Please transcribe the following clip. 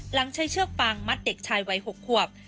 ใช้เชือกปางมัดเด็กชายวัย๖ขวบ